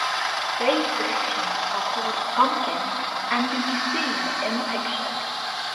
These projections are called "bumkins" and can be seen in the picture.